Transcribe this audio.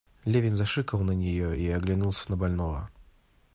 Левин зашикал на нее и оглянулся на больного.